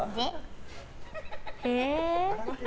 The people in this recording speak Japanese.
へえ。